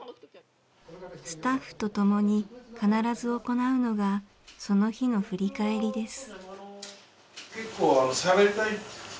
スタッフとともに必ず行うのがその日の振り返りです。